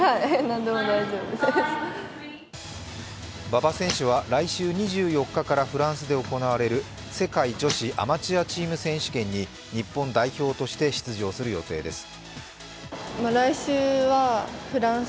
馬場選手は来週２４日からフランスで行われる世界女子アマチュアチーム選手権に日本代表として出場する予定です。